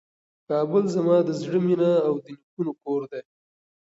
کابل زما د زړه مېنه او د نیکونو کور دی.